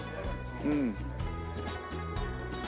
うん。